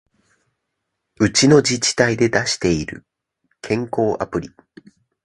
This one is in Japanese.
うちの自治体で出してる健康アプリ